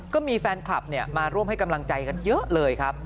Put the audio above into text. ก็มีแฟนคลับมาร่วมให้กำลังใจกันเยอะเลยครับ